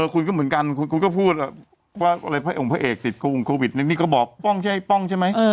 คุณก็เหมือนกันคุณก็พูดว่าพระเอกติดโควิดนึงก็บอกป้องใช่ป้องใช่ไหม